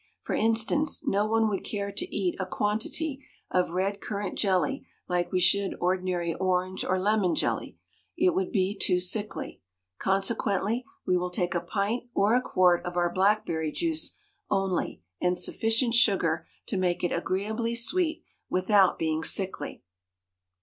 For instance, no one would care to eat a quantity of red currant jelly like we should ordinary orange or lemon jelly it would be too sickly; consequently we will take a pint or a quart of our blackberry juice only and sufficient sugar to make it agreeably sweet without being sickly.